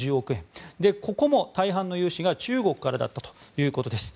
ここも大半の融資が中国からだったということです。